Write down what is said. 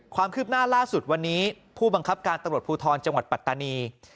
ความคืบหน้าล่าสุดวันนี้ผู้บังคับการตำรวจภูทรจังหวัดปัตตานี